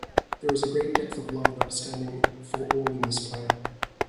There is a great depth of love and understanding for all in this play.